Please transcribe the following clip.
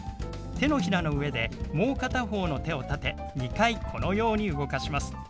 手のひらの上でもう片方の手を立て２回このように動かします。